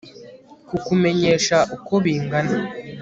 kukumenyesha uko bingana